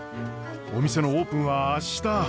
お店のオープンは明日。